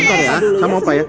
itu dulu ya